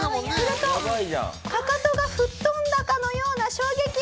するとかかとが吹っ飛んだかのような衝撃。